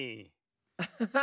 アハハ！